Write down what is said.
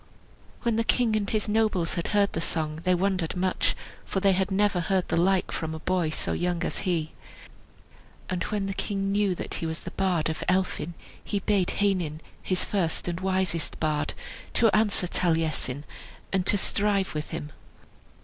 When the king and his nobles had heard the song, they wondered much, for they had never heard the like from a boy so young as he. And when the king knew that he was the bard of Elphin he bade Heinin, his first and wisest bard, to answer Taliesin, and to strive with him.